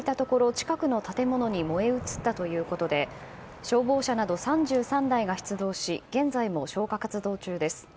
近くの建物に燃え移ったということで消防車など３３台が出動し現在も消火活動中です。